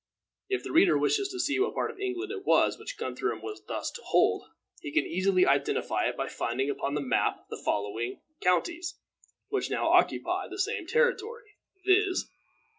If the reader wishes to see what part of England it was which Guthrum was thus to hold, he can easily identify it by finding upon the map the following counties, which now occupy the same territory, viz.